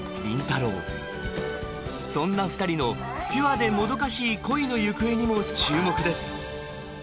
太郎そんな２人のピュアでもどかしい恋の行方にも注目です